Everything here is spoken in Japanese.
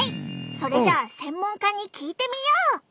それじゃあ専門家に聞いてみよう！